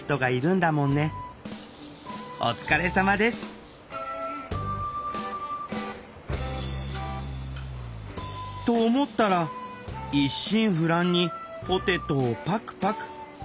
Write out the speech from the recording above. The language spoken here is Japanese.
お疲れさまです！と思ったら一心不乱にポテトをパクパク。